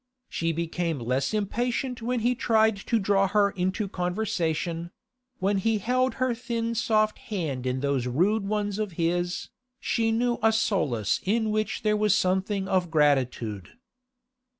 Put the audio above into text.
She became less impatient when he tried to draw her into conversation; when he held her thin soft hand in those rude ones of his, she knew a solace in which there was something of gratitude.